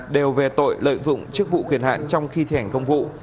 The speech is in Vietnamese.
đều về tội lợi dụng chức vụ quyền hạn trong khi thi hành công vụ